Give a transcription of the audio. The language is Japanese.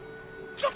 ちょっ